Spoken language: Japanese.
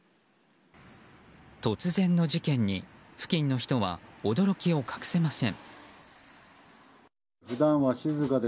突然の事件に付近の人は驚きを隠せません。